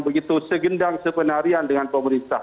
begitu segendang sepenarian dengan pemerintah